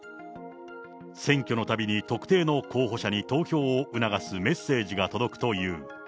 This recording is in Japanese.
選挙のたびに特定の候補者に投票を促すメッセージが届くという。